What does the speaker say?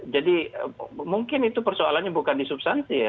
jadi mungkin itu persoalannya bukan di subsansi ya